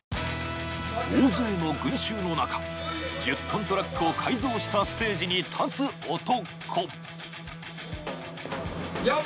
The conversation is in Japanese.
大勢の群衆の中、１０ｔトラックを改造したステージに立つ男。